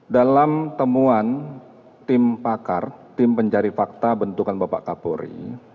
dalam temuan tim pakar tim pencari fakta bentukan bapak kapolri